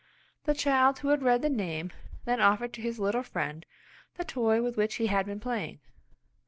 The child who had read the name then offered to his little friend the toy with which he had been playing.